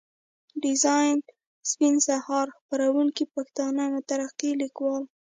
ډيزاين سپين سهار، خپروونکی پښتانه مترقي ليکوال.